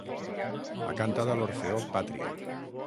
Ha cantat a l'Orfeó Pàtria.